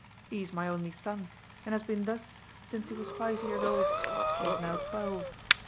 He is my only son; and has been thus since he was five years old: he is now twelve.